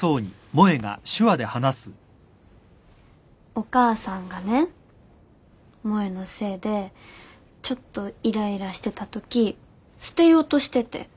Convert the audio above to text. お母さんがね萌のせいでちょっとイライラしてたとき捨てようとしてて。